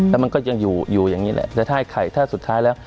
แล้วมันก็ยังอยู่อย่างนี้แหละแต่ถ้าสุดท้ายแล้ว